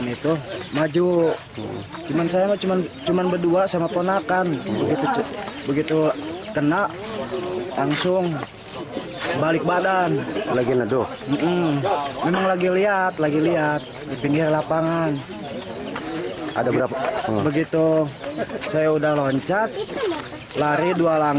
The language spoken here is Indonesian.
dari lapangan ada berapa begitu saya udah loncat lari dua langkah saya udah udah nggak kuat akan